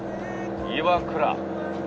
岩倉。